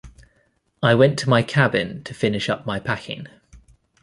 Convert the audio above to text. I went to my cabin to finish up my packing.